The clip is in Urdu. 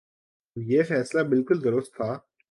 یہ فیصلہ بالکل درست تھا۔